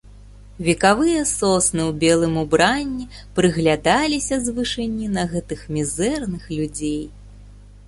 Векавыя сосны ў белым убранні прыглядаліся з вышыні на гэтых мізэрных людзей.